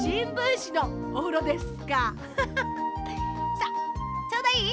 さあちょうどいい？